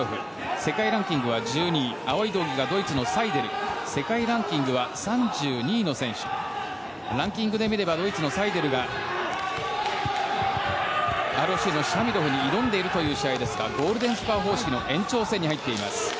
世界ランキングは１２位青い道着がサイデル世界ランキングは３２位の選手ランキングで見ればドイツのサイデルがシャミロフに挑んでいるという試合ですがゴールデンスコア方式の延長戦に入っています。